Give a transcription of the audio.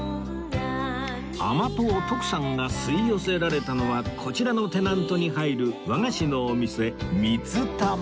甘党徳さんが吸い寄せられたのはこちらのテナントに入る和菓子のお店